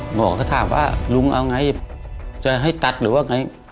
หมอก็ถามว่าลุงเอาไงจะให้ตัดหรือว่าไง